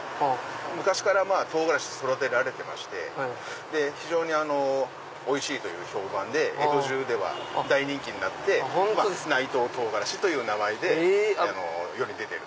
昔から唐辛子育てられてまして非常においしいという評判で江戸中では大人気になって内藤とうがらしという名前で世に出てる。